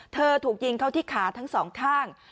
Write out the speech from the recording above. ถูกยิงเข้าที่ขาทั้งสองข้าง